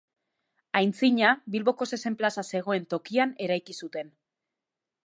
Aintzina, Bilboko zezen plaza zegoen tokian eraiki zuten.